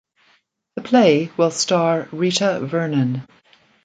The play will star Rita Vernon.